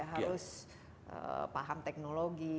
harus paham teknologi